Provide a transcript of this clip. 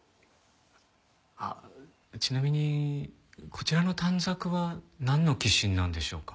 あっちなみにこちらの短冊はなんの寄進なんでしょうか？